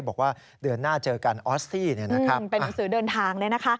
บอกว่าเดือนหน้าเจอกันออสซี่เป็นหนังสือเดินทางเลยนะคะ